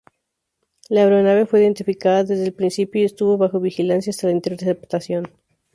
La aeronave fue identificada desde el principio y estuvo bajo vigilancia hasta la interceptación.